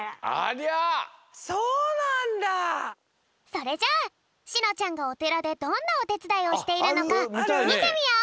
それじゃあしのちゃんがおてらでどんなおてつだいをしているのかみてみよう！